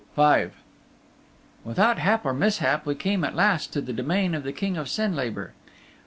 V Without hap or mishap we came at last to the domain of the King of Senlabor.